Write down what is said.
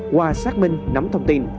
qua xác minh nắm thông tin